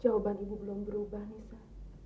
jawaban ibu belum berubah nisa